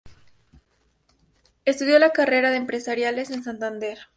Estudió la carrera de Empresariales en Santander.